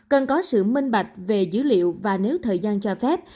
cần có sự minh bạch về dữ liệu và nếu thời gian cho phép